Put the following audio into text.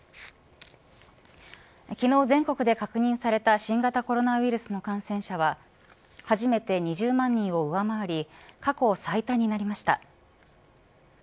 昨日、全国で確認された新型コロナウイルスの感染者は初めて２０万人を上回り過去最多になりました。